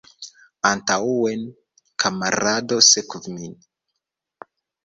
Antaŭen, kamarado, sekvu min!